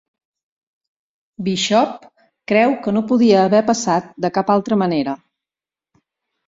Bishop creu que no podia haver passat de cap altra manera.